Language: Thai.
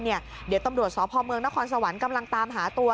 เดี๋ยวตำรวจสพเมืองนครสวรรค์กำลังตามหาตัว